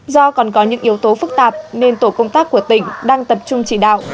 do còn có những yếu tố phức tạp nên tổ công tác của tỉnh đang tập trung chỉ đạo